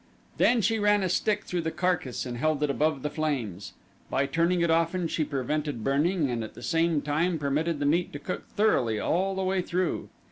Then she ran a stick through the carcass and held it above the flames. By turning it often she prevented burning and at the same time permitted the meat to cook thoroughly all the way through.